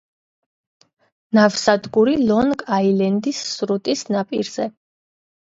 ნავსადგური ლონგ-აილენდის სრუტის ნაპირზე.